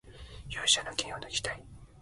勇者の剣をぬきたい